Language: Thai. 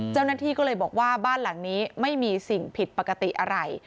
เจ้าหน้าที่ก็เลยบอกว่าบ้านหลังนี้ไม่มีสิ่งผิดปกติอะไร